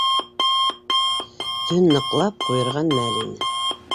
Төн ныҡлап ҡуйырған мәл ине.